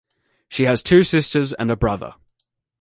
She has two sisters and a brother.